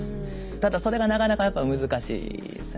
ただそれがなかなかやっぱり難しいですよね。